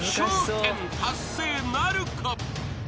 １０達成なるか？］